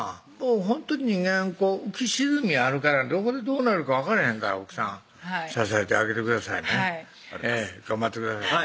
ほんとに人間浮き沈みあるからどこでどうなるか分かれへんから奥さん支えてあげてくださいねはい頑張ってください